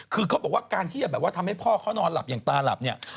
คือเขาบอกว่าการที่จะแบบว่าทำให้พ่อเขานอนหลับอย่างตาหลับเนี่ย